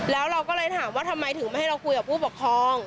แล้วเราก็เลยถามว่าทำไมถึงไม่ให้เราคุยกับผู้ปกครอง